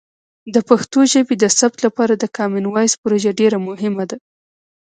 د پښتو ژبې د ثبت لپاره د کامن وایس پروژه ډیر مهمه ده.